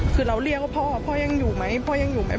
คือเราเรียกว่าพ่อพ่อยังอยู่ไหมพ่อยังอยู่ไหม